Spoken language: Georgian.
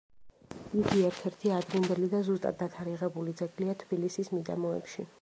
იგი ერთ-ერთი ადრინდელი და ზუსტად დათარიღებული ძეგლია თბილისის მიდამოებში.